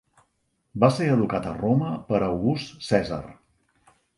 Va ser educat a Roma per August Cèsar.